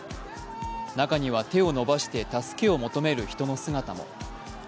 中には、手を伸ばして助けを求める人の姿も。